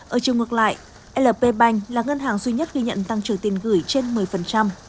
ở chiều ngược lại lp bank là ngân hàng duy nhất ghi nhận tăng trừ tiền gửi trên một mươi